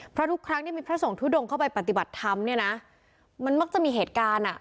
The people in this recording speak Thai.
เพราะทุกครั้งที่มีพระส่งทุดงเข้าไปปฏิบัติธรรมมักจะมีเหตุการณ์